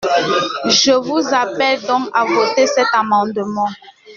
Je vous appelle donc à voter cet amendement.